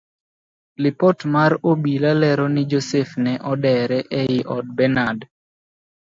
Lipot mar obila lero ni joseph ne odere ei od benard.